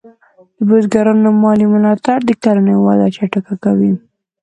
د بزګرانو مالي ملاتړ د کرنې وده چټکه کوي.